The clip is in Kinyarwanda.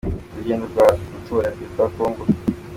Urugendo rw’ amatora ya Perezida wa Congo.